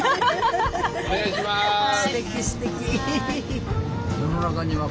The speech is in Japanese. お願いします。